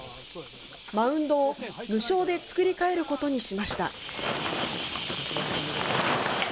マウンドを無償で作り替えることにしました。